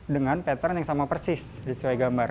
dengan pattern yang sama persis sesuai gambar